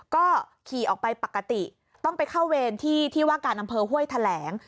ก็ขี่ออกไปปกติต้องไปเข้าเวรที่ที่ว่าการอำเภอห้วยแถลง